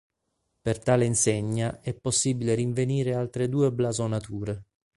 Per tale insegna, è possibile rinvenire altre due blasonature.